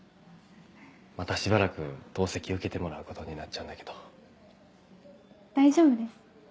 またしばらく透析受けてもらうことになっちゃうんだけど。大丈夫です。